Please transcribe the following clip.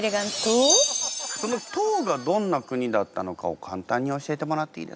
その唐がどんな国だったのかを簡単に教えてもらっていいですか？